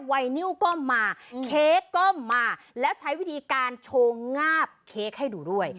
ไวนิวก้มมาเค้กก้มมาแล้วใช้วิธีการโชว์งาบเค้กให้ดูด้วย